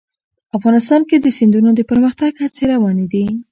افغانستان کې د سیندونه د پرمختګ هڅې روانې دي.